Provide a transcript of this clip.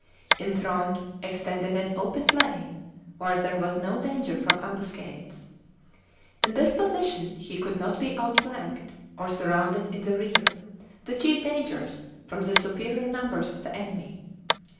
In front extended an open plain, where there was no danger from ambuscades. In this position he could not be outflanked or surrounded in the rear — the chief dangers, from the superior numbers of the enemy.